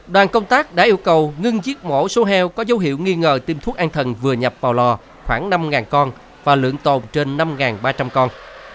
đoàn công tác đã yêu cầu ngưng chiếc mẫu số heo có dấu hiệu nghi ngờ tiêm thuốc an thần vừa nhập vào lò khoảng năm con và lượng tồn trên năm ba trăm linh con